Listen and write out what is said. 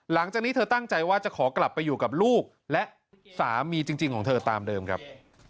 หลังจากนี้เธอตั้งใจว่าจะขอกลับไปอยู่กับลูกและสามีจริงของเธอตามเดิมครับ